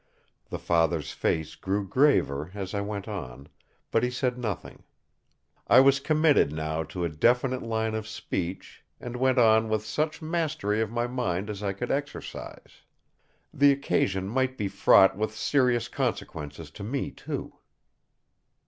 The father's face grew graver as I went on; but he said nothing. I was committed now to a definite line of speech, and went on with such mastery of my mind as I could exercise. The occasion might be fraught with serious consequences to me too.